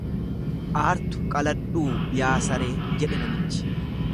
Aartu qaladhuu yaa saree jedhe namichi.